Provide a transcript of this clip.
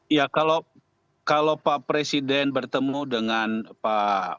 ya kalau pak presiden bertemu dengan pak